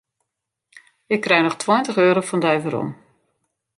Ik krij noch tweintich euro fan dy werom.